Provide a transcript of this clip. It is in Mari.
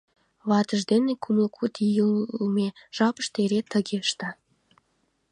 ватыж дене кумло куд ий илыме жапыште эре тыге ышта